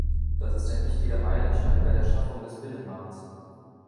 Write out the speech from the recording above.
Das ist ein wichtiger Meilenstein bei der Schaffung des Binnenmarkts.